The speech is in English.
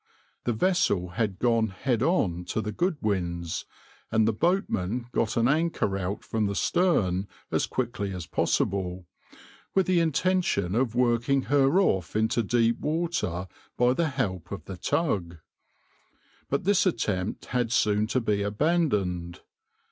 The vessel had gone head on to the Goodwins, and the boatmen got an anchor out from the stern as quickly as possible, with the intention of working her off into deep water by the help of the tug; but this attempt had soon to be abandoned.